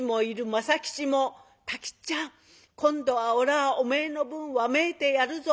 政吉も「太吉っちゃん今度はおらおめえの分わめいてやるぞ。